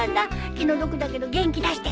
気の毒だけど元気出して！